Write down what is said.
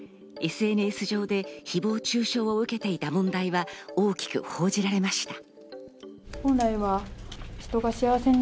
ＳＮＳ上で誹謗中傷を受けていた問題は大きく報じられました。